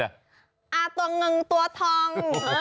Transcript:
ตัวเงินตัวทอง